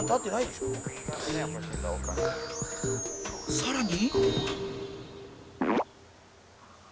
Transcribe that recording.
さらに